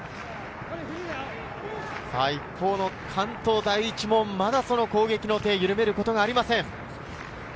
一方、関東第一もまだその攻撃の手を緩めることがありません。